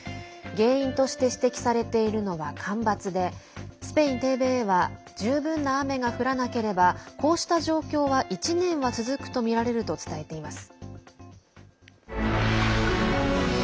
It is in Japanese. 原因として指摘されているのは干ばつでスペインＴＶＥは十分な雨が降らなければこうした状況は１年は続くとみられると伝えています。